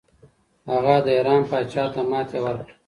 هغه د ایران پاچا ته ماتې ورکړه.